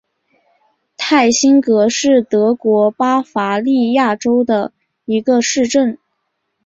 泰辛格是德国巴伐利亚州的一个市镇。